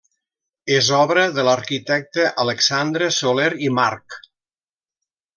És obra de l'arquitecte Alexandre Soler i March.